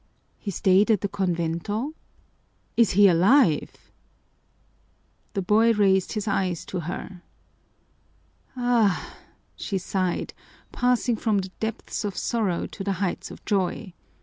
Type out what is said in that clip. He stayed at the convento? Is he alive?" The boy raised his eyes to her. "Ah!" she sighed, passing from the depths of sorrow to the heights of joy.